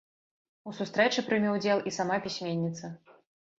У сустрэчы прыме ўдзел і сама пісьменніца.